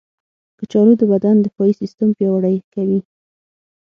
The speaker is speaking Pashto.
کچالو د بدن دفاعي سیستم پیاوړی کوي.